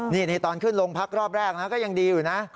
นี่ตอนขึ้นโรงพักรอบแรกนะก็ยังดีอยู่นะ